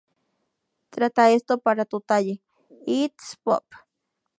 Trata esto para tú talle: i-i-i-i-i-its Pop!